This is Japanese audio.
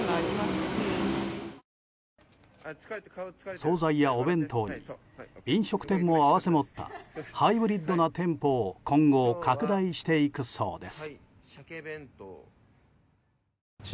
総菜やお弁当に飲食店を併せ持ったハイブリッドな店舗を今後、拡大していくそうです。